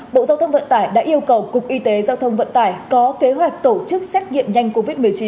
bộ giao thông vận tải đã yêu cầu cục y tế giao thông vận tải có kế hoạch tổ chức xét nghiệm nhanh covid một mươi chín